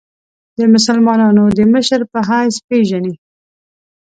د مسلمانانو د مشر په حیث پېژني.